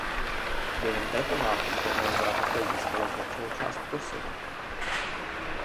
Během této války Černá Hora také získala značnou část Kosova.